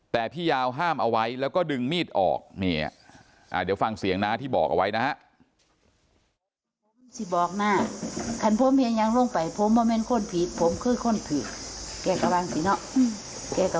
แต่พี่ยาวห้ามเอาไว้แล้วก็ดึงมีดออกเนี่ยเดี๋ยวฟังเสียงน้าที่บอกเอาไว้นะฮะ